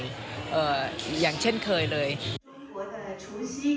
อย่างเช่นเคยเลย